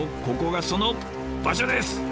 ここがその場所です！